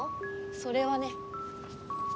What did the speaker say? それはね